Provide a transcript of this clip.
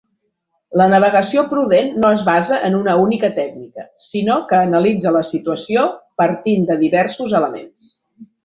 La navegació prudent no es basa en una única tècnica, sinó que analitza la situació partint de diversos elements.